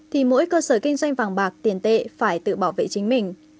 thì mỗi cơ sở kinh doanh vàng bạc tiền tệ phải tự bảo vệ chính mình